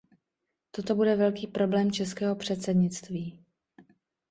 Toto bude velký problém českého předsednictví.